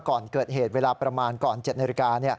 ก่อนเกิดเหตุเวลาประมาณก่อน๗นาฬิกา